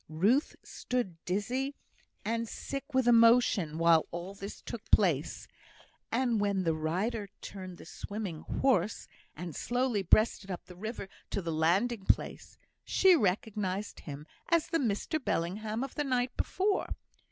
Ruth stood dizzy and sick with emotion while all this took place; and when the rider turned his swimming horse, and slowly breasted up the river to the landing place, she recognised him as the Mr Bellingham of the night before.